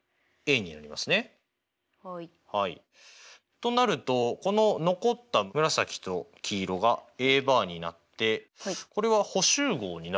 となるとこの残った紫と黄色がＡバーになってこれは補集合になるんですかね？